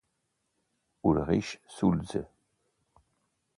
Ulrich Schulze